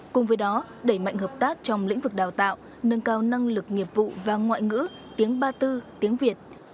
cùng với đó đẩy mạnh hợp tác trong lĩnh vực đào tạo nâng cao năng lực nghiệp vụ và ngoại ngữ tiếng ba tư tiếng việt